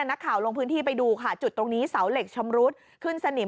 นักข่าวลงพื้นที่ไปดูค่ะจุดตรงนี้เสาเหล็กชำรุดขึ้นสนิม